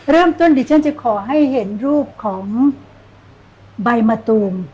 เริ่มต้นดิฉันจะขอให้เห็นรูปของใบมะตูม